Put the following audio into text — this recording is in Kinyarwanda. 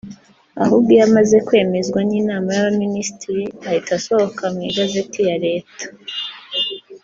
ahubwo iyo amaze kwemezwa n’Inama y’abaminisitiri ahita asohoka mu igazeti ya Leta